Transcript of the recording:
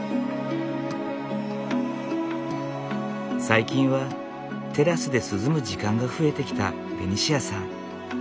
最近はテラスで涼む時間が増えてきたベニシアさん。